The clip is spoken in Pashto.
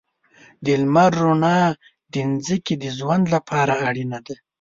د لمر رڼا د ځمکې د ژوند لپاره اړینه ده.